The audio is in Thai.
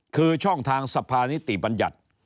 คือช่องทางสภานิติบัญญัติ